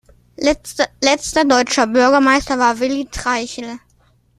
Letzter deutscher Bürgermeister war Willi Treichel.